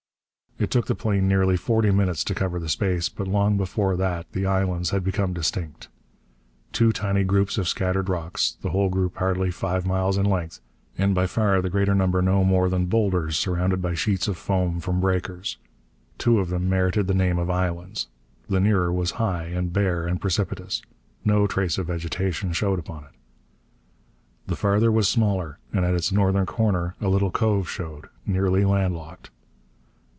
It took the plane nearly forty minutes to cover the space, but long before that the islands had become distinct. Two tiny groups of scattered rocks, the whole group hardly five miles in length and by far the greater number no more than boulders surrounded by sheets of foam from breakers. Two of them merited the name of islands. The nearer was high and bare and precipitous. No trace of vegetation showed upon it. The farther was smaller, and at its northern corner a little cove showed, nearly land locked.